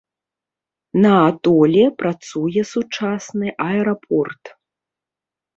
На атоле працуе сучасны аэрапорт.